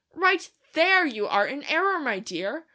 "Right THERE, you are in error, my dear.